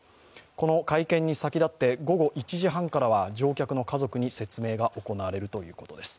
この会見に先立って、午後１時半からは乗客の家族に説明が行われるということです。